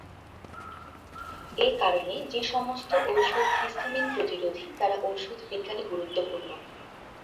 এ কারণে যে সমস্ত ঔষধ হিস্টামিন প্রতিরোধী তারা ঔষধ বিজ্ঞানে গুরুত্বপূর্ণ।